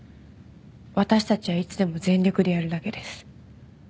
私たちはいつでも全力でやるだけです。